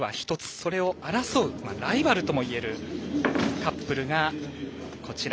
それを争うライバルともいえるカップルがこちら。